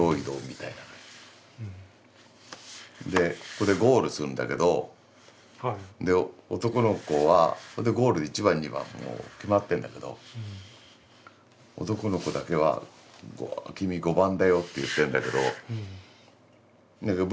でここでゴールするんだけどで男の子はゴール１番２番もう決まってんだけど男の子だけは「君５番だよ」って言ってんだけどだけど僕はまだまだ駆ける。